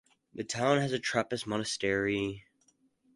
The town has a trappist monastery.